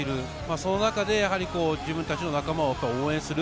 その中で自分たちの仲間を応援する。